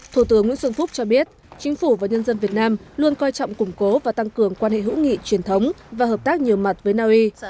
thủ tướng nguyễn xuân phúc cho biết chính phủ và nhân dân việt nam luôn coi trọng củng cố và tăng cường quan hệ hữu nghị truyền thống và hợp tác nhiều mặt với naui